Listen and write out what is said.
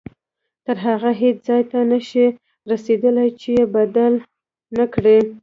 تر هغې هیڅ ځای ته نه شئ رسېدلی چې یې بدل نه کړئ.